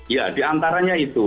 ya diantaranya itu